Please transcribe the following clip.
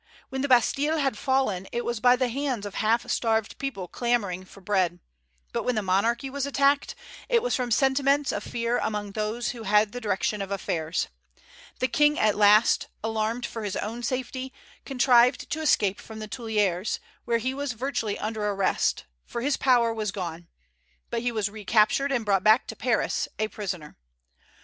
When the Bastille had fallen, it was by the hands of half starved people clamoring for bread; but when the monarchy was attacked, it was from sentiments of fear among those who had the direction of affairs. The King, at last, alarmed for his own safety, contrived to escape from the Tuileries, where he was virtually under arrest, for his power was gone; but he was recaptured, and brought back to Paris, a prisoner.